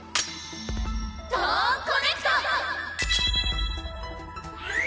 トーンコネクト！